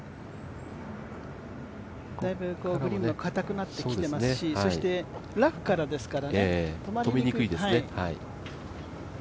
だいぶグリーンもかたくなってきてますしそしてラフからですからね、止めにくいですね。